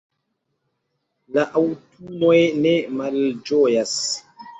la aŭtunoj ne malĝojas